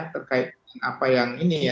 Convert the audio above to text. terkait dengan apa yang ini ya